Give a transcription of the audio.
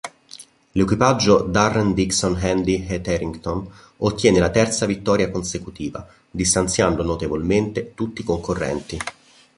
L'equipaggio Darren Dixon-Andy Hetherington ottiene la terza vittoria consecutiva distanziando notevolmente tutti i concorrenti.